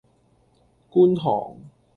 觀塘